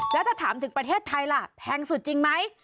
แล้วถ้าถามถึงประเทศไทยล่ะแพงสุดจริงไหม